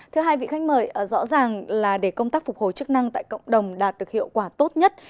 thưa hai vị khách mời rõ ràng là để công tác phục hồi chức năng tại cộng đồng đạt được hiệu quả tốt nhất